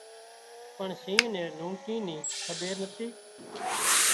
پڻ شينهن نين لونڪي ني کٻير نتي